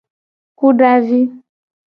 Kudavi.